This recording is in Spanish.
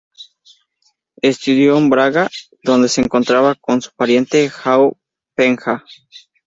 Estudió en Braga, donde se encontraba con su pariente João Penha.